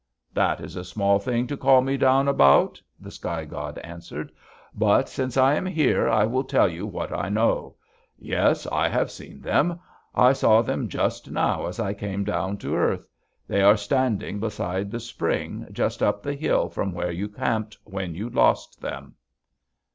"'That is a small thing to call me down about,' the sky god answered; 'but, since I am here, I will tell you what I know: Yes, I have seen them. I saw them just now as I came down to earth. They are standing beside the spring just up the hill from where you camped when you lost them.'